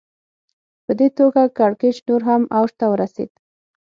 په دې توګه کړکېچ نور هم اوج ته ورسېد